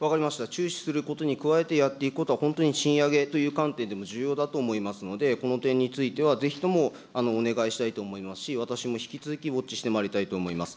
注視することに加えてやっていくことは本当に賃上げという観点でも重要だと思いますので、この点については、ぜひともお願いしたいと思いますし、私も引き続きウォッチしてまいりたいと思います。